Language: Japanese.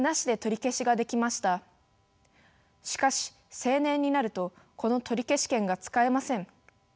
しかし成年になるとこの取消権が使えません。